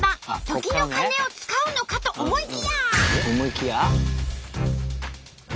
時の鐘を使うのかと思いきや！